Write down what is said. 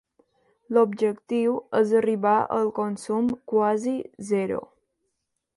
L'objectiu és arribar al consum quasi zero.